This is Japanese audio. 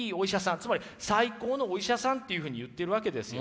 つまり最高のお医者さんというふうに言ってるわけですよ。